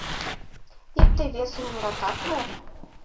— Икте-весым йӧратат мо?